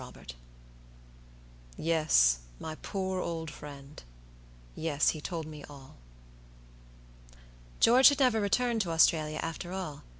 Robert." "Yes, my poor old friend.yes, he told me all." George had never returned to Australia after all.